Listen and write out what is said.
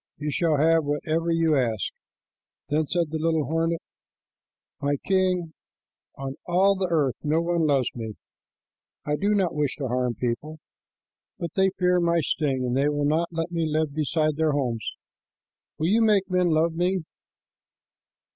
You shall have whatever you ask." Then said the little hornet, "My king, on all the earth no one loves me. I do not wish to harm people, but they fear my sting, and they will not let me live beside their homes. Will you make men love me?"